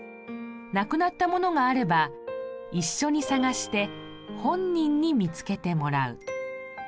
無くなった物があれば一緒に捜して本人に見つけてもらう。